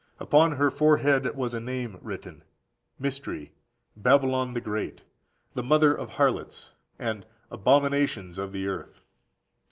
Upon her forehead was a name written, Mystery, Babylon the Great, the Mother of Harlots and Abominations of the Earth.